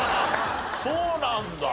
そうなんだ。